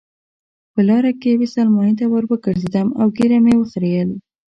په لاره کې یوې سلمانۍ ته وروګرځېدم او ږیره مې وخریل.